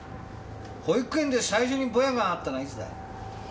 保育園で最初にボヤがあったのはいつだ？